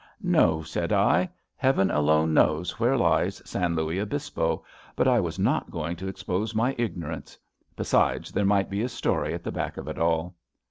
No,'' said I. Heaven alone knows where lies San Luis Obispo, but I was not going to expose my ignorance. Besides, there might be a story at the back of it all.